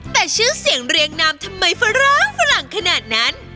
แต่ชื่อเสียงเรียงนามทำไมฝรั่งฝรั่งขนาดนั้น